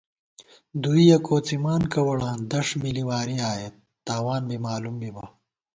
دوئیَہ کوڅِمان کوَڑاں دݭ مِلی واری آئېت، تاوان بی مالُوم بِبہ